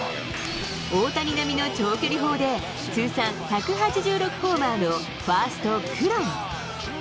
大谷並みの長距離砲で通算１８６ホーマーのファースト、クロン。